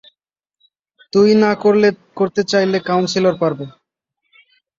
তুই না করতে চাইলে, কাউন্সিলার পারবে।